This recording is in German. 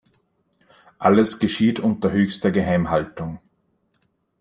Alles geschieht unter höchster Geheimhaltung!